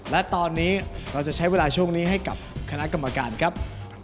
และตอนนี้เราจะใช้เวลาช่วงนี้ให้กับคณะกรรมการครับ